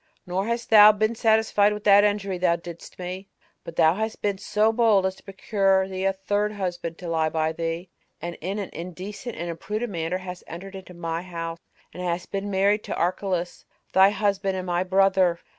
Nor hast thou been satisfied with that injury thou didst me, but thou hast been so bold as to procure thee a third husband to lie by thee, and in an indecent and imprudent manner hast entered into my house, and hast been married to Archelaus, thy husband and my brother.